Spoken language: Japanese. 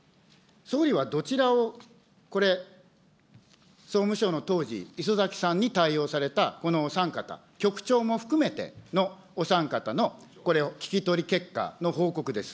総理はどちらをこれ、総務省の当時、礒崎さんに対応されたこのお三方、局長も含めてのお三方のこれを聞き取り結果の報告です。